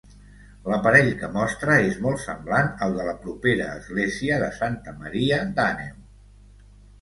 L'aparell que mostra és molt semblant al de la propera església de Santa Maria d'Àneu.